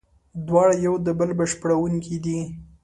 دواړه یو د بل بشپړوونکي دي.